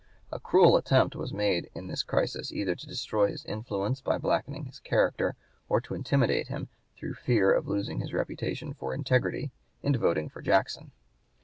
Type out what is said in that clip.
A cruel attempt was made in this crisis either to destroy his influence by blackening his character, or to intimidate him, through fear of losing his reputation for integrity, into voting for Jackson.